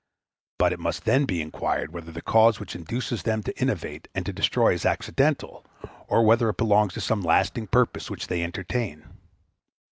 But it must then be inquired whether the cause which induces them to innovate and to destroy is accidental, or whether it belongs to some lasting purpose which they entertain.